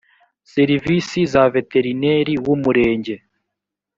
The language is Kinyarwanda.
serivisi za veterineri w’umurenge